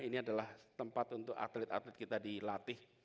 ini adalah tempat untuk atlet atlet kita dilatih